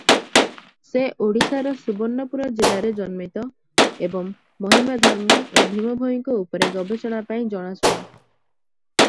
ସେ ଓଡ଼ିଶାର ସୁବର୍ଣ୍ଣପୁର ଜିଲ୍ଲାରେ ଜନ୍ମିତ ଏବଂ ମହିମା ଧର୍ମ ଓ ଭୀମ ଭୋଇଙ୍କ ଉପରେ ଗବେଷଣା ପାଇଁ ଜଣାଶୁଣା ।